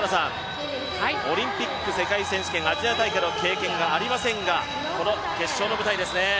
オリンピック、世界選手権アジア大会の経験がありませんがこの決勝の舞台ですね。